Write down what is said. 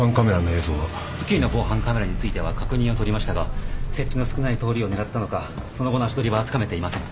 付近の防犯カメラについては確認をとりましたが設置の少ない通りを狙ったのかその後の足取りはつかめていません。